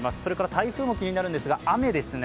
台風も気になるんですが、雨ですね